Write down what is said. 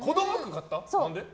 何で？